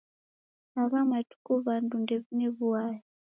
Agha matuku w'andu ndew'ine w'uaya.